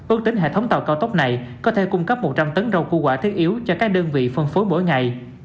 ước tính hệ thống tàu cao tốc này có thể cung cấp một trăm linh tấn rau củ quả thiết yếu cho các đơn vị phân phối mỗi ngày